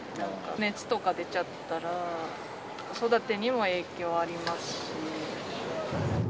熱とか出ちゃったら、子育てにも影響ありますし。